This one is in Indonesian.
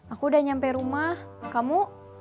aku udah nyampe rumah kamu